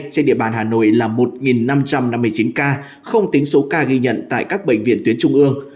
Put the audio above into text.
trên địa bàn hà nội là một năm trăm năm mươi chín ca không tính số ca ghi nhận tại các bệnh viện tuyến trung ương